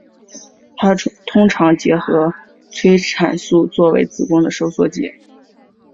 它通常结合催产素作为子宫收缩剂。